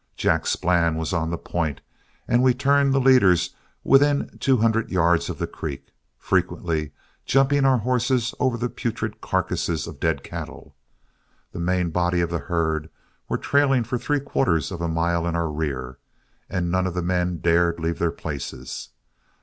Jack Splann was on the point, and we turned the leaders when within two hundred yards of the creek, frequently jumping our horses over the putrid carcasses of dead cattle. The main body of the herd were trailing for three quarters of a mile in our rear, and none of the men dared leave their places.